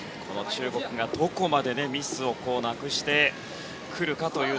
中国がどこまでミスをなくしてくるか。